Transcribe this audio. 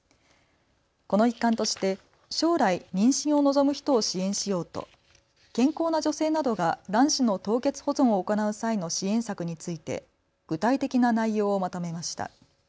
この一環として将来、妊娠を望む人を支援しようと健康な女性などが卵子の凍結保存を行う際の支援策について具体的な内容をまとめました。